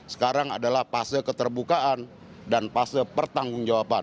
sekarang adalah pase keterbukaan dan pase pertanggung jawaban